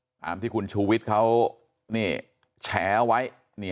ตามที่คุณชูวิทย์เขาแฉเอาไว้